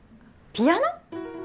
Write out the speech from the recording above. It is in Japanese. ピアノ！